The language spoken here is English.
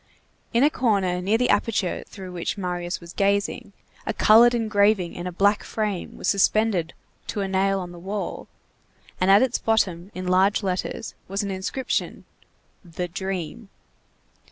In a corner near the aperture through which Marius was gazing, a colored engraving in a black frame was suspended to a nail on the wall, and at its bottom, in large letters, was the inscription: THE DREAM.